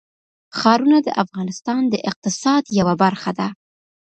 ښارونه د افغانستان د اقتصاد یوه برخه ده.